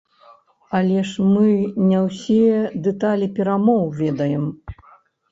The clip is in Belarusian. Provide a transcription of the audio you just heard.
Але ж мы не ўсе дэталі перамоў ведаем.